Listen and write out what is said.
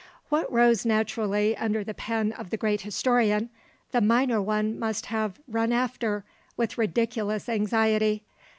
What rose naturally under the pen of the great historian, the minor one must have run after with ridiculous anxiety.